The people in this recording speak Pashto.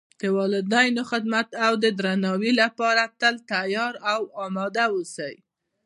د والدینو خدمت او درناوۍ لپاره تل تیار او آماده و اوسئ